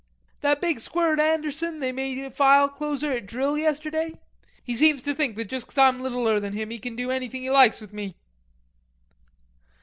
"That big squirt Anderson they made a file closer at drill yesterday. He seems to think that just because Ah'm littler than him he can do anything he likes with me."